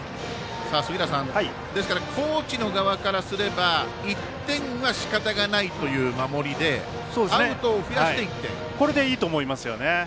杉浦さん、高知の側からすれば１点はしかたがないという守りでこれでいいと思いますね。